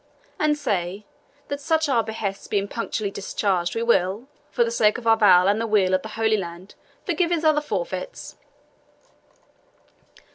And say, that such our behests being punctually discharged we will, for the sake of our vow and the weal of the Holy Land, forgive his other forfeits."